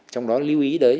trong đó lưu ý tới